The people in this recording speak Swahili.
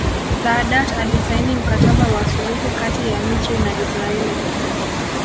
Saadat alisaini Mkataba wa suluhu kati ya Misri na Israeli